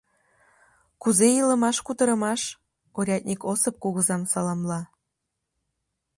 Кузе илымаш-кутырымаш? — урядник Осып кугызам саламла.